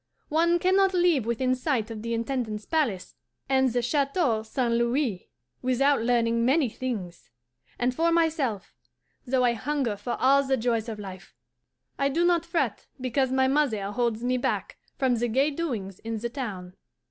One can not live within sight of the Intendant's palace and the Chateau St. Louis without learning many things; and, for myself, though I hunger for all the joys of life, I do not fret because my mother holds me back from the gay doings in the town.